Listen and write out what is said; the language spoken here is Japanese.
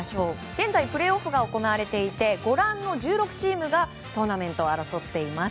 現在プレーオフが行われていてご覧の１６チームがトーナメントを争っています。